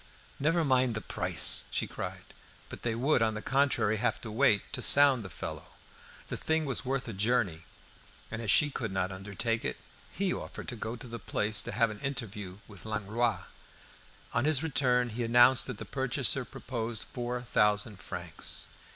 "Never mind the price!" she cried. But they would, on the contrary, have to wait, to sound the fellow. The thing was worth a journey, and, as she could not undertake it, he offered to go to the place to have an interview with Langlois. On his return he announced that the purchaser proposed four thousand francs.